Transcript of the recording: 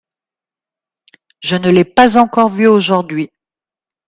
Je ne l’ai pas encore vue aujourd’hui.